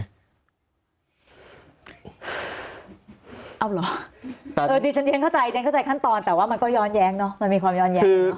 เอาหรอดิฉันเข้าใจขั้นตอนแต่ว่ามันก็ย้อนแย้งเนอะมันมีความย้อนแย้ง